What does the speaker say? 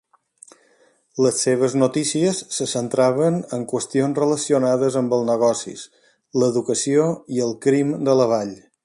Les seves notícies se centraven en qüestions relacionades amb els negocis, l'educació i el crim de la vall.